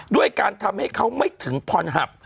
ด้วยการทำให้เขาไม่ถึงพรหับ